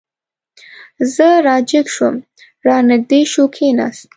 زه را جګ شوم، را نږدې شو، کېناست.